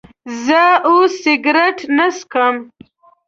زه اوس سيګرټ نه سکم